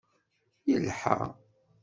Yelḥa.